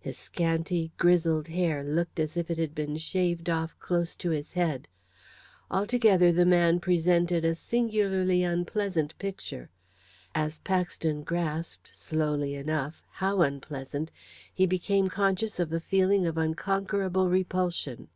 His scanty, grizzled hair looked as if it had been shaved off close to his head. Altogether, the man presented a singularly unpleasant picture. As Paxton grasped, slowly enough, how unpleasant, he became conscious of a feeling of unconquerable repulsion.